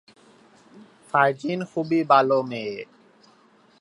এছাড়াও এটি একটি স্বশাসিত জেলা।